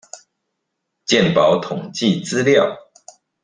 健保統計資料